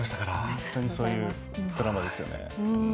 本当にそういうドラマですよね。